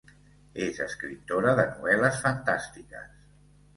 És escriptora de novel·les fantàstiques.